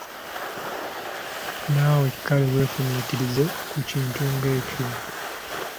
Naawe kale weefumiitirize ku kintu ng'ekyo!